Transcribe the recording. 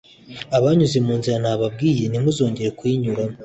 abanyuze mu nzira nababwiye nti 'ntimuzongera kuyinyura